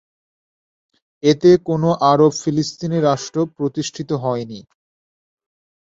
এতে কোনো আরব ফিলিস্তিনি রাষ্ট্র প্রতিষ্ঠিত হয়নি।